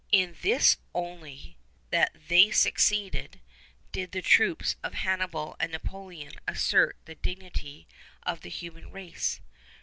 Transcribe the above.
In this only, that they succeeded, did the troops of Hannibal and Napoleon assert the dignity of the human race.